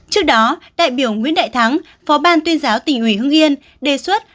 trước đó đại biểu nguyễn đại thắng phó ban tuyên giáo tỉnh ủy hương yên đề xuất